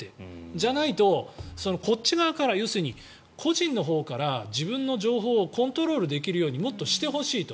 じゃないと、こっち側から個人のほうから自分の情報をコントロールできるようにもっとしてほしいと。